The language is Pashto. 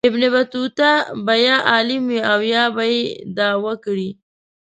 ابن بطوطه به یا عالم و او یا به یې دعوه کړې.